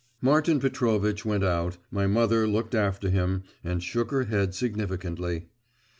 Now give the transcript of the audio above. Martin Petrovitch went out; my mother looked after him, and shook her head significantly.